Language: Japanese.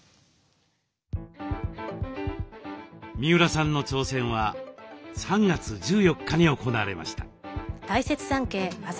三浦さんの挑戦は３月１４日に行われました。